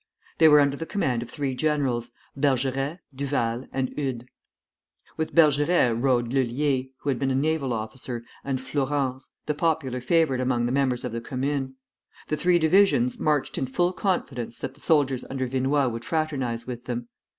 They were under the command of three generals, Bergeret, Duval, and Eudes. With Bergeret rode Lullier, who had been a naval officer, and Flourens, the popular favorite among the members of the Commune. The three divisions marched in full confidence that the soldiers under Vinoy would fraternize with them.